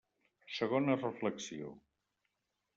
Segona reflexió.